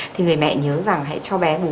thì người mẹ nhớ rằng hãy cho bé bú